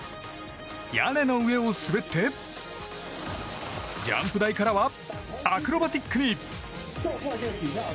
屋根の上を滑ってジャンプ台からはアクロバティックに！